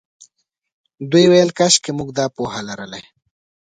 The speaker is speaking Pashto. دوی ویل کاشکې موږ دا پوهه لرلای.